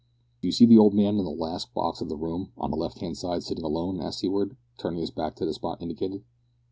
"Do you see the old man in the last box in the room, on the left hand side, sitting alone?" asked Seaward, turning his back to the spot indicated.